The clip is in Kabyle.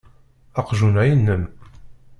Aqjun-a inem.